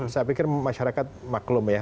saya pikir masyarakat maklum ya